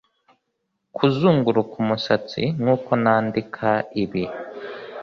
Kuzunguruka umusatsi nkuko nandika ibi